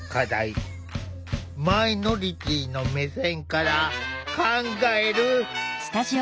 マイノリティーの目線から考える。